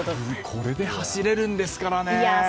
これで走れるんですからね。